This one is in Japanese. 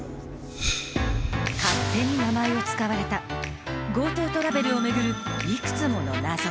勝手に名前を使われた、ＧｏＴｏトラベルを巡るいくつもの謎。